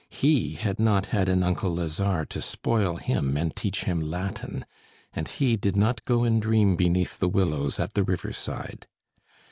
He had not had an uncle Lazare to spoil him and teach him Latin, and he did not go and dream beneath the willows at the riverside.